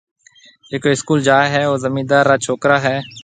جڪو اسڪول جائيِ هيَ او زميندار را ڇوڪرا هيَ۔